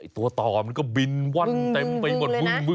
ตัวต่อมันก็บินวั่นเต็มไปหมดบึ้ง